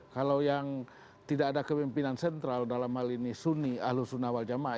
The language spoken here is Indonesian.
kalau yang tidak ada kepimpinan sentral dalam hal ini suni ahlus sunnah wal jamaah